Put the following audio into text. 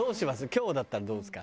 今日だったらどうですか？